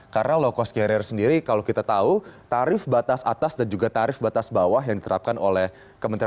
karena low cost carrier sendiri kalau kita tahu tarif batas atas dan juga tarif batas bawah yang diterapkan oleh kementerian